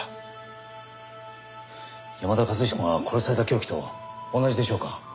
山田和彦が殺された凶器と同じでしょうか？